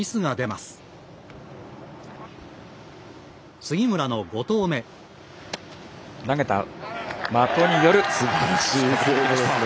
すばらしい。